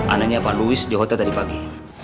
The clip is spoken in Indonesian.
ananya pak louis di hotel tadi pagi